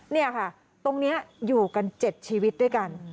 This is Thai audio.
นี่ค่ะตรงนี้อยู่กัน๗ชีวิตด้วยกัน